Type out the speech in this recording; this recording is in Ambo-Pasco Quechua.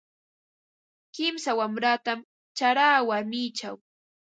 Kimsa wanratam charaa warmichaw.